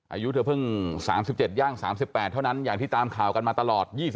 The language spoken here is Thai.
อายุเธอเพิ่ง๓๗ย่าง๓๘เท่านั้นอย่างที่ตามข่าวกันมาตลอด